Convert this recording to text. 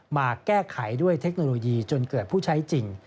มาแก้ไขด้วยเทคโนโลยีจนเกิดผู้ใช้จริง